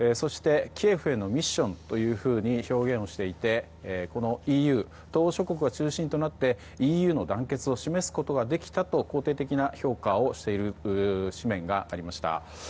そしてキエフへのミッションというふうに表現をしていてこのＥＵ諸国が中心となってＥＵの団結を示すことができたと肯定的な評価をしている紙面がありました。